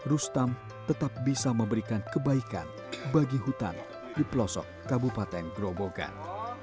rustam tetap bisa memberikan kebaikan bagi hutan di pelosok kabupaten grobogan